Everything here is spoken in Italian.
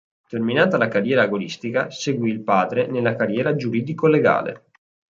Terminata la carriera agonistica, seguì il padre nella carriera giuridico-legale.